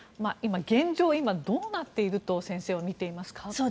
今、現状どうなっていると先生は見ていますか？